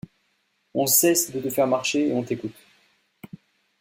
on cesse de te faire marcher et on t'écoute.